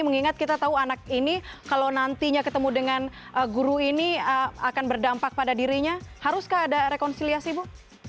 mengingat kita tahu anak ini kalau nantinya ketemu dengan guru ini akan berdampak pada dirinya haruskah ada rekonsiliasi bu